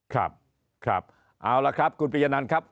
ครับครับเอาละครับคุณปียนันครับ